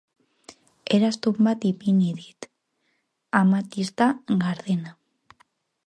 Eraztun bat ipini dit, amatista gardena.